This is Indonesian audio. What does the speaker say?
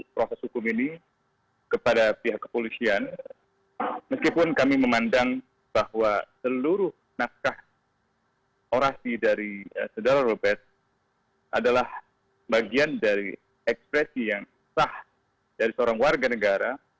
proses hukum ini kepada pihak kepolisian meskipun kami memandang bahwa seluruh naskah orasi dari saudara robert adalah bagian dari ekspresi yang sah dari seorang warga negara